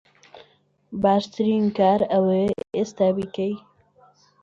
باشترسن کار ئەوەیە ئێستا بیکەی